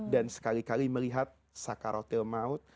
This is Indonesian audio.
dan sekali kali melihat sakarotil maut